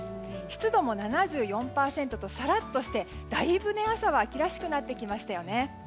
湿度も７４％とサラッとしてだいぶ朝は秋らしくなってきましたよね。